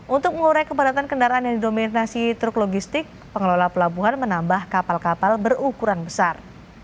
untuk mengurai kepadatan kendaraan yang didominasi truk logistik pengelola pelabuhan menambah kapal kapal berukuran besar